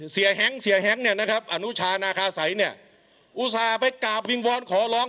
เสียแฮงก์เสียแฮงก์เนี่ยนะครับอนูชาณาคาไสนี่อุตส่าห์ไปกาบวิ่งวอลขอร้อง